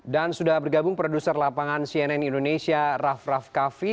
dan sudah bergabung produser lapangan cnn indonesia raff raff kaffi